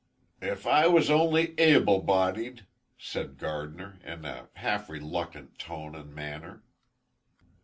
"If I was only able bodied," said Gardiner, in a half reluctant tone and manner.